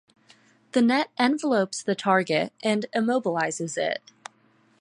The net envelops the target and immobilizes it.